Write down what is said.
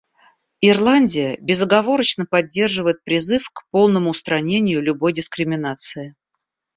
Ирландия безоговорочно поддерживает призыв к полному устранению любой дискриминации.